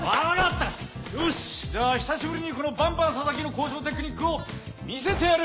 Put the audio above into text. よしじゃあ久しぶりにこのバンバン佐々木の交渉テクニックを見せてやる！